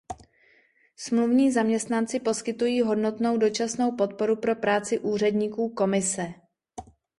Smluvní zaměstnanci poskytují hodnotnou dočasnou podporu pro práci úředníků Komise.